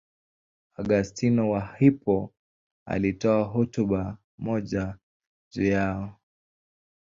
Augustino wa Hippo alitoa hotuba moja juu yao.